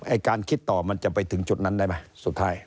การคิดต่อมันจะไปถึงจุดนั้นได้ไหมสุดท้าย